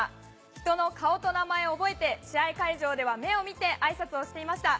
人の顔と名前を覚えて試合会場では目を見てあいさつをしていました。